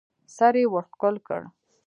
سر يې ورښکل کړ.